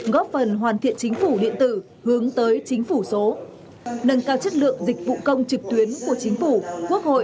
góp phần hoàn thiện chính phủ điện tử hướng tới chính phủ số nâng cao chất lượng dịch vụ công trực tuyến của chính phủ quốc hội